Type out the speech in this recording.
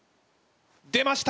出ました！